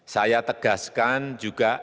saya tegaskan juga